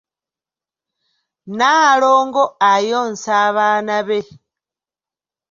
Nnaalongo ayonsa abaana be.